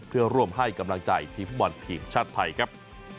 เพื่อร่วมให้กำลังใจทีมฟุตบอลทีมชาติไทยครับ